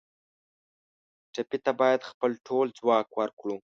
ټپي ته باید خپل ټول ځواک ورکړو.